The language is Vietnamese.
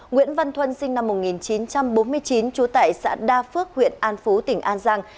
nguyễn văn thuân sinh năm một nghìn chín trăm bốn mươi chín trú tại xã đa phước huyện an phú tỉnh an giang